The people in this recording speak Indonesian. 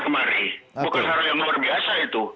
kemari bukan hal yang luar biasa itu